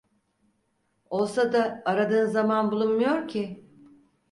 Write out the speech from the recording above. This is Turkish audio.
Olsa da aradığın zaman bulunmuyor ki…